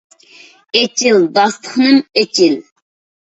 ئېچىل داستىخىنىم ئېچىل!